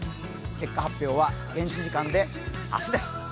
結果発表は現地時間で明日です。